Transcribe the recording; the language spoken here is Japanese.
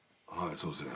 そうですね。